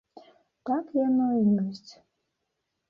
Так яно й ёсць.